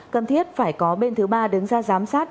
cần thiết phải có bên thứ ba đứng ra giám sát